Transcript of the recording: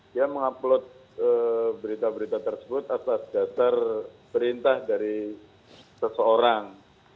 dia mengupload berita berita tersebut atas dasar perintah dari seseorang